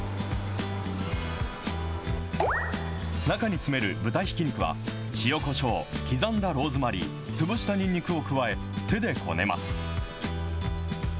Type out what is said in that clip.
中に詰める豚ひき肉は、塩こしょう、刻んだローズマリー、潰したにんにくを加え、手でこねます。